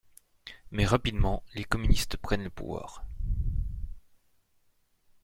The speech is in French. Mais rapidement les communistes prennent le pouvoir.